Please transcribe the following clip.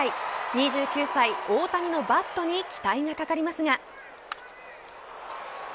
２９歳、大谷のバットに期待がかかりますが。